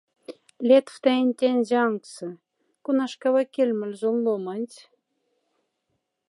Лятфтайне тянь сянкса — конашкава кемоль сон ломанць!